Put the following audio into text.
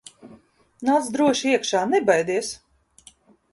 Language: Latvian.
Nāc droši iekšā, nebaidies!